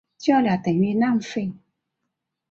叫了等于浪费